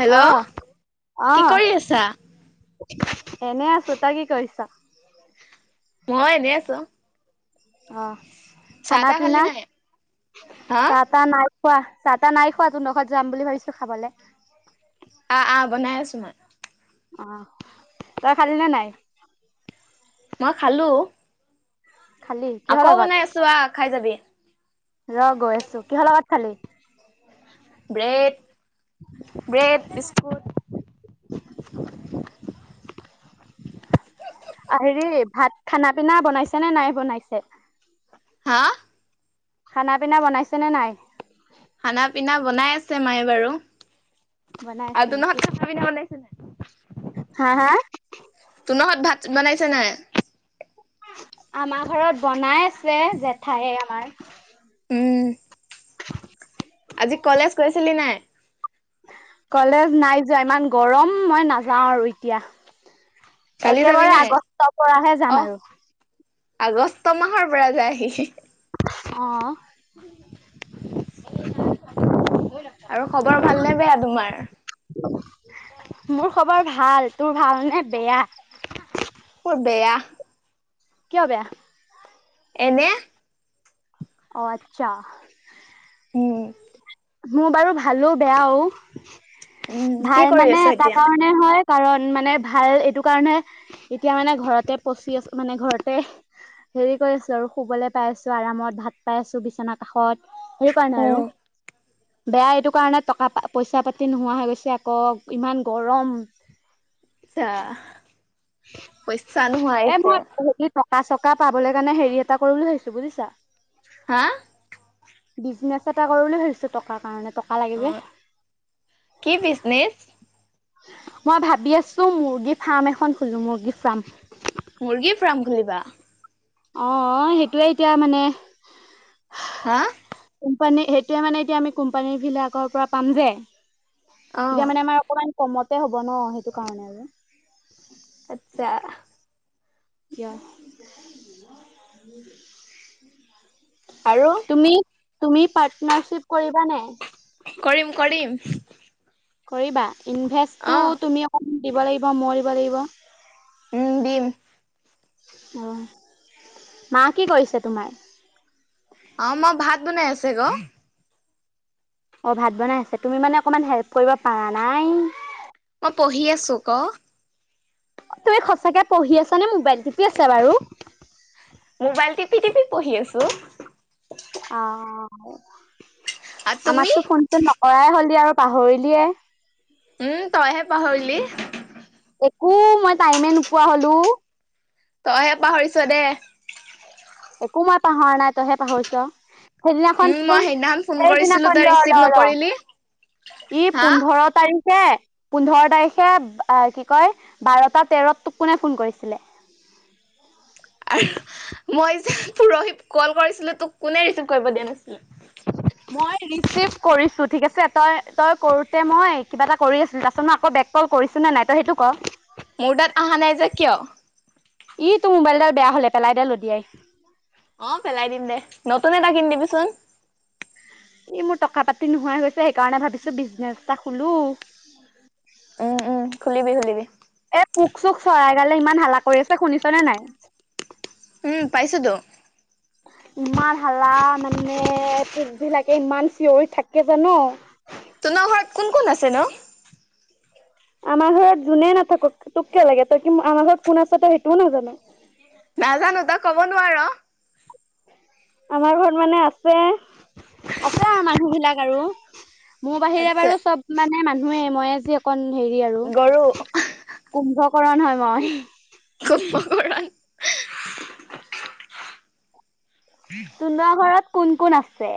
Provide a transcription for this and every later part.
Hello আহ কি আহ। কৰি আছা? এনে আছো তই কি কৰিছা। মই এনেই আছো। অহ চাহ খানা তাহ খালি পিনা নাই? হা চাহ তাহ নাই কোৱা চাহ তাহ নাই খোৱা তহঁতৰ ঘৰত যাম বুলি ভাবিছো খাবলৈ আহ আহ বনাই আছো মই। অ' তই খালি নে নাই? মই খালো খালি কিহৰ আকৌ লগত বনাই আছো আহ খাই যাবি। ৰ' গৈ আছো কিহৰ লগত খালি! ব্ৰেড ব্ৰেড বিস্কুট [inaudible] হেৰি ভাত খানা পিনা বনাইছে নে নাই বনাইছে! হা খানা পিনা বনাইছে নে নাই? খানা পিনা বনাই আছে মায়ে বাৰু বনাই আছে আৰু তহঁতৰ নেকি ঘৰত খানা পিনা বনাইছে নাই! হা হা তহঁতৰ ভাত বনাইছে নাই? আমাৰ ঘৰত বনাই আছে জেঠাইয়ে আমাৰ উম আজি কলেজ গৈছিলি নাই? কলেজ নাই যোৱা, ইমান গৰম, মই নাযাওঁ আৰু এতিয়া। কালি যাবি একেবাৰে নাই? আগষ্টৰ পৰাহে অহ যাম আৰু। আগষ্ট মাহৰ পৰা যায়। অ' [unintelligible] আৰু খবৰ ভালনে বেয়া তোমাৰ? মোৰ খবৰ ভাল। তোৰ ভাল নে বেয়া! মোৰ বেয়া কিয় বেয়া! এনে অ', আচ্ছা। উম। মোৰ বাৰু ভালো বেয়াও। উম কি ভাল কৰি মানে, আছ এটা এতিয়া? কাৰণে হয় কাৰণ মানে ভাল এইটো কাৰণে এতিয়া মানে ঘৰতে পচি আছো মানে ঘৰতে হেৰি কৰি আছো আৰু শুবলৈ পাই আছো, আৰামত ভাত পাই আছু বিছনাৰ কাষত। হেই কাৰণে আৰু। উম বেয়া এইটো কাৰণে টকা পা-পইচা পাতি নোহোৱা হৈ গৈছে। আকৌ ইমান গৰম। চা, পইচা নোহোৱা হৈছে পাঁচ টকা পাবলৈ কাৰণে হেৰি এটা কৰোঁ বুলি ভাবিছো বুজিছা হা? বিজনেছ এটা কৰো বুলি ভাবিছো টকাৰ কাৰণে টক অ', কি বিজনেচ? মই ভাবি আছু, মুৰ্গী ফাৰ্ম এখন খুলো। মুৰ্গী ফাৰ্ম। মুৰ্গীৰ ফাৰ্ম খুলিবা? অ', সেইটোৱে এতিয়া মানে হা? মানে, সেইটোৱে মানে এতিয়া আমি কোম্পানী বিলাকৰ পৰা পাম যে অ তিতা মানে আমাৰ অকমান কমতে হ'ব ন, সেইটো কাৰণে আৰু। আচ্ছা। কিয় [unintelligible] আৰু তুমি তুমি পাৰ্টনাৰশ্বিপ কৰিবা নে? কৰিম-কৰিম। কৰিবা? ইনভেষ্টটু অ তুমি অকণ দিব লাগিব, মই দিব লাগিব। উম, দিম। অ, মা কি কৰিছে তোমাৰ? অ', মা ভাত বনাই আছে গ। অ', ভাত বনাই আছে। তুমি মানে অকণমান হেল্প কৰিব পাৰা নাই! মই পঢ়ি আছো ক তুমি সঁচাকে পঢ়ি আছা নে মোবাইল টিপি আছা বাৰু? মোবাইল টিপি-টিপি পঢ়ি আছু। অ, আৰু তুমি আমাটো ফোন-চোন নকৰাই হ'লি আৰু। পাহৰিলিয়ে। উম, তইহে পাহৰিলি। একো মই টাইমে নোপোৱা হ'লো। তইয়ে, পাহৰিছ দে। একো মই পাহৰা নাই, তইহে পাহৰিছ। সেইদিনাখন উম মই চোন, সেইদিনাখন ফোন কৰিছিলো সেইদিনাখন তই ৰিচিভ ৰ-ৰ-ৰ। নকৰিলি ই হা পোন্ধৰ তাৰি পোন্ধৰ তাৰিখে কি কয়, বাৰটা তেৰত তোক কোনে ফোন কৰিছিলে? [inaudible] ৰহিব কল কৰিছিলে তোক, কোনে ৰিচিভ কৰিব দিয়া নাছিলে? মই ৰিচিভ কৰিছো ঠিক আছে, তই তই কৰোতে মই কিবা এটা কৰি আছিলো। তাৰছত আকৌ এক কল কৰিছো নে নাই, তই সেইটো ক? মোৰ তাত অহা নাই যে কিয়? ই তোৰ মোবাইলডাল বেয়া হলে পেলাই দে লদিয়াই। অ, পেলাই দিম দে। নতুন এটা কিন দিবিচুন। ই, মোৰ টকা-পাতি নোহাই হৈছে। সেইকাৰণে ভাবিছো বিজনেচ এটা খুলু। উম উম, খুলিবি-খুলিবি। এ, পোক-চোক, চৰাই গালে ইমান হালা কৰি আছে। শুনিছনে নাই? উম, পাইছুতু। ইমান হালা মানে, পুকবিলাকে ইমান চিঞৰি থাকে জানো? তুনধৰ ঘৰত কোন-কোন আছেনু? আমাৰ ঘৰত যোনে নাথাকক তোক কিয় লাগে? তই কি আমাৰ ঘৰত কোন আছ তই সেইটোও নাজানো? নাজানো তই ক'ব নোৱাৰ? আমাৰ ঘৰত মানে আছে, আছে মানুহ বিলাক আৰু। মোৰ বাহিৰে আচ্ছা বাৰু চব মানে মানুহে, মই আজি অকন হেৰি আৰু গৰু। কুম্ভ কৰা নহয় মই। [unintelligible] তোন্তৰ ঘৰত কোন কোন আছে?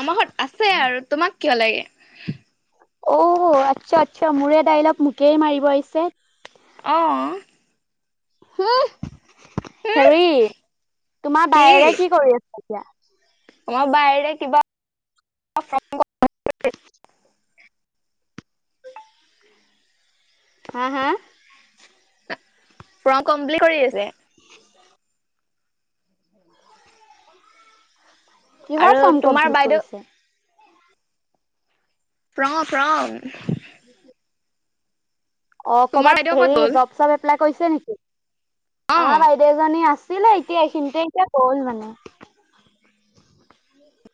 আমাৰ ঘৰত আছে আৰু তোমাক কিয় লাগে? অ' আচ্ছা আচ্ছা মোৰে দাইলগ মোকেই মাৰিব আহিছে। আহ। হুহ হেৰি তোমাৰ বাইৰে কি কৰি আছে? [unintelligible] তোমাৰ বাইৰে কিবা হা, হা ফৰ্ম কমপ্লিট কৰি আছে। আৰু কিহৰ ফৰ্ম তোমাৰ কমপ্লিট বাইদেউ কৰিছে? প্ৰ প্ৰম [inaudible] অ তোমাৰ কৰবাত বাইদেউ ক'ত হেৰি গ'ল? জব চব এপ্লাই কৰিছে নেকি? অ আমাৰ বাইদেউ এজনী আছে ছিলে এতিয়া এইখিনিতে এতিয়া হ'ল মানে।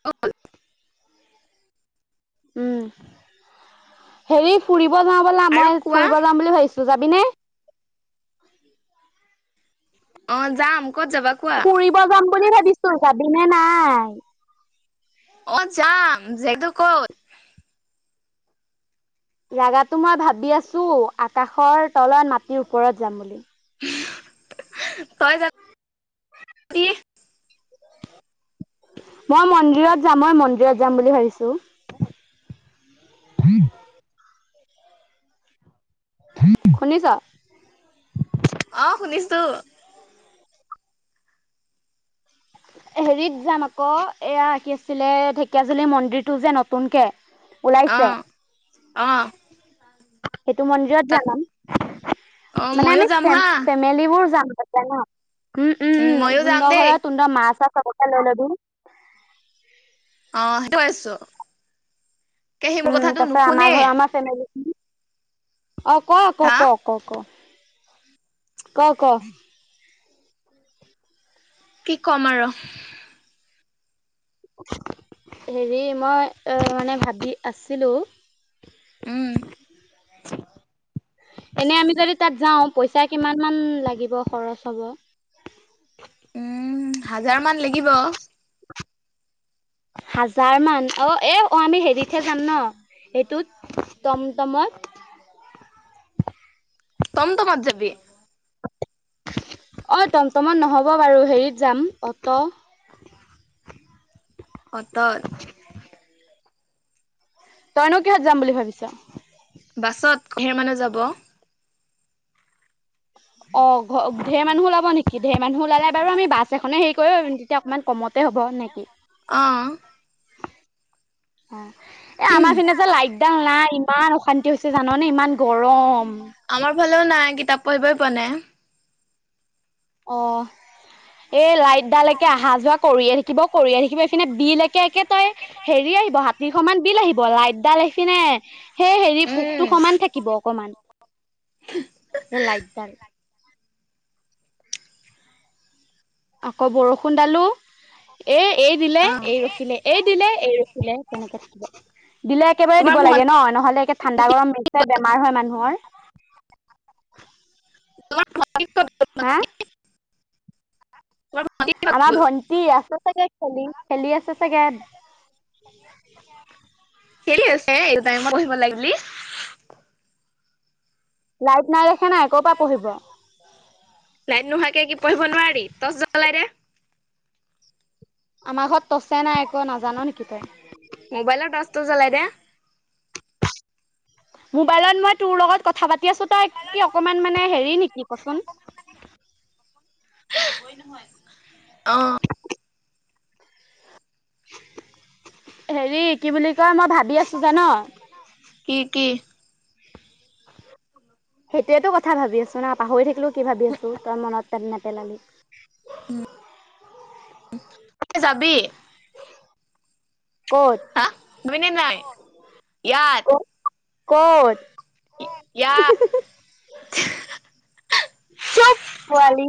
অ। উম, হেৰি ফুৰিব যাওঁ ব'লা, আৰু মই কোৱা ফুৰিব যাওঁ বুলি ভাবিছো। ত যাবি নে? অ যাম ক'ত যাবা কোৱা? ফুৰিব যাম বুলি ভাবিছো যাবিনে নাই? অ যাম যেটো কত জাগাতো মই ভাবি আছো আকাশৰ তলত মাটিৰ ওপৰত যাম বুলি তই জা কি মই মন্দিৰত যাম মই মন্দিৰত যাম বুলি ভাবিছো। হম শুনিছ আহ শুনিছোঁ হেৰিত যাম আকৌ এয়া কি আছিলে ঢেকিয়াজুলী মন্দিৰটো যে নতুনকে অ ওলাইছে। অ সেইটো মন্দিৰত তাত যাম, অ মানে মইয়ো আমি যাম হা ফেমিলি বোৰ যাম তাতে ন উম উম উম মইয়ো যাম তুণ্ডৰ দেই ঘৰত তুণ্ডৰ মা চা চবকে লৈ লবি অ সেইটো ভাবিছো উম তাপা আমাৰ ঘৰৰ আমাৰ ফেমিলি অ', কোৱা ক হা ক ক ক ক ক কি ক'ম আৰু হেৰি মই এ মানে ভাবি আছিলো উম এনে আমি যদি তাত যাওঁ পইচা কিমান মান লাগিব খৰচ হ'ব উম হাজাৰ মান লাগিব। হাজাৰ মান অ এ অ আমি হেৰিতহে যাম ন এইটোত টমটমত টমটমত যাবি অ' টমটমত নহ'ব বাৰু হেৰিত যাম অটো পতত তইনো কিহত যাম বুলি ভাবিছ? বাছত হে মানে যাব অ ঘ ধেৰ মানুহ উলাব নেকি ধেৰ মানুহ উলালে বাৰু আমি বাছ এখনে হেই কৰিবাৰম তেতিয়া অকণমান কমতে হ'ব নেকি? অ অ এ আমাৰ ফিনে যে লাইটডাল নাই ইমান অশান্তি হৈছে জাননে ইমান গৰম ল নাই কৰিবই পোৱা নাই অ এই লাইট ডালকে অহা যোৱা কৰিয়ে থাকিব কৰিয়ে থাকিব নে বিল একে একে তই হেৰি আহিব হাতী সমান বিল আহিব লাইটডাল সি কিনে সেই হে হেৰি উম পোকটো সমান থাকিব অকমান [unintelligible] এ লাইট দাল আকৌ বৰষুণ দালো এ এই দিলে, অ এই ৰখিলে, এই দিলে, এই ৰখিলে তেনেকে থাকিব দিলে একেবাৰে তোমাৰ দিব ভ লাগে ন নহলে একে ঠাণ্ডা গৰম মিক্স হৈ বেমাৰ হয় মানুহৰ [unintelligible] হা [inaudible] আমাৰ ভন্টি আছে চাগে খেলি খেলি আছে চাগে খেলি আছে এইটোটাইমই পঢ়িব লাগে বুলি লাইট নাই এ [unintelligible] লাইট নোহোৱাকে কি পঢ়িব নোৱাৰি [unintelligible] [inaudible] আমাৰ ঘৰত তছে নাই একো নাজান নেকি তই? টো জ্বলাই দে। মোবাইলত মই তোৰ লগত কথা পা টি আছো তই কি অকমান মানে হেৰি নেকি কচোন! [inaudible] হেৰি কি বুলি কয় মই ভাবি আছো জান। কি কি? সেইটোৱেতো কথা ভাবি আছো ন পাহৰি থাকিলো কি ভাবি আছো তই মনত নেপেলালি। উম। [unintelligible] যাবি? ক'ত হা মানে নাই? ইয়াত ক ক'ত? [inaudible] চোপ পোৱালি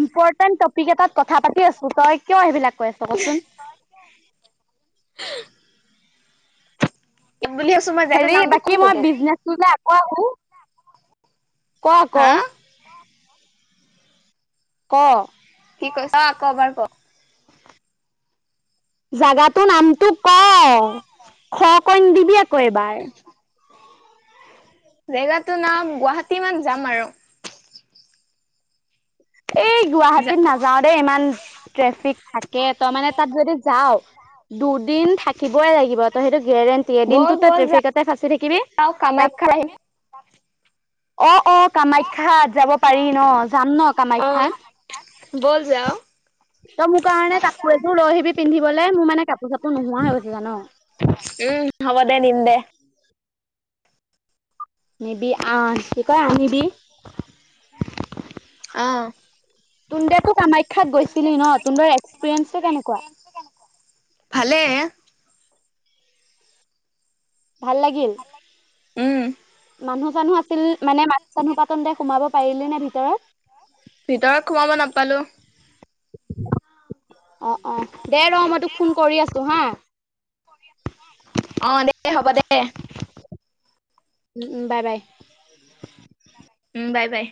ইম্পৰ্টেন্ট টপিক এটাত কথা পাতি আছো তই কিয় সেইবিলাক কৈ আছ কচোন [inaudible] ইয়াত বুলি আছো মই জেগাটোৰ হেৰি নামটো বাকী কমটো মই তোক। বিজনেচটো যে আকৌ আহো ক আকৌ হা? ক কি কৈছ আকৌ এবাৰ ক। জাগাত [inaudible] কই নিদিবি আকৌ এবাৰ। জেগাতো নাম গুৱাহাটী মান যাম আৰু। এই গুৱাহাটীত নাযাওঁ দেই ইমান ট্ৰেফিক থাকে তই মানে তাত যদি যাওঁ দুদিন থাকিবই লাগিব তই সেইটো গেৰেণ্টি এদিনটো ব'ল তই ব'ল ট্ৰেফিক এতে ফাঁচি থাকিবি যাওঁ তাৰ কামাখ্যা [unintelligible] অ', অ', কামাখ্যাত যাব পাৰি ন যাম ন আহ কামাখ্যাত বল যাও ত ই মোৰ কাৰণে কাপোৰ এযোৰ লৈ আহিবি পিন্ধিবলৈ মোৰ মানে কাপোৰ চাপোৰ নোহোৱা হৈ গৈছে জান উম হ'ব দে দিম দে। মেবি আহ কি কয় আহিবি অ [unintelligible] তো কামাই [unintelligible] গৈছিলি ন [unintelligible] এক্সপিৰিয়েঞ্চ টো কেনেকুৱা? ভালেই ভাল লাগিল উম মানুহ চানুহ আ [unintelligible] মানে মানুহ চানুহ [unintelligible] সোমাব পাৰিলি নে ভিতৰত? খোমাব নাপালো অ', অ', দে ৰ মই তোক ফোন কৰি আছো হা অ', দে হ'ব দে উ, উ বাই, বাই উ বাই, বাই